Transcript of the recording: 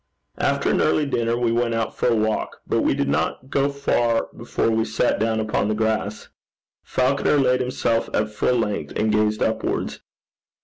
After an early dinner we went out for a walk, but we did not go far before we sat down upon the grass. Falconer laid himself at full length and gazed upwards.